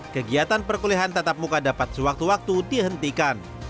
kegiatan perkuliahan tatap muka dapat sewaktu waktu dihentikan